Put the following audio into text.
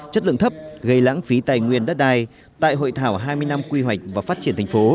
chất lượng thấp gây lãng phí tài nguyên đất đai tại hội thảo hai mươi năm quy hoạch và phát triển thành phố